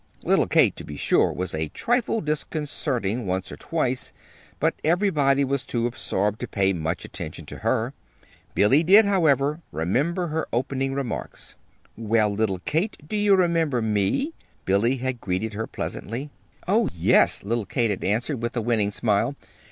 Little Kate, to be sure, was a trifle disconcerting once or twice, but everybody was too absorbed to pay much attention to her. Billy did, however, remember her opening remarks. "Well, little Kate, do you remember me?" Billy had greeted her pleasantly. "Oh, yes," little Kate had answered, with a winning smile.